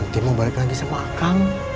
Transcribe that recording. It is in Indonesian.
tin mau balik lagi sama akan